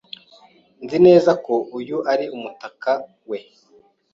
Nzi neza ko uyu ari umutaka we.